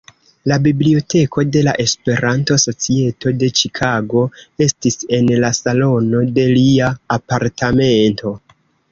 La Biblioteko de la Esperanto-Societo de Ĉikago estis en la salono de lia apartamento.